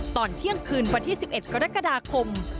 ตอนเที่ยงคืนวันที่๑๑กรกฎาคม